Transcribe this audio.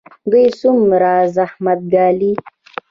دوی څومره زحمت ګالي؟